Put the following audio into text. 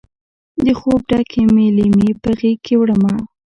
د خوب ډکې مې لیمې په غیږکې وړمه